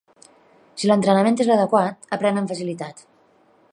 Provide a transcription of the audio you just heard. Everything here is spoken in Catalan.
Si l'entrenament és l'adequat, aprèn amb facilitat.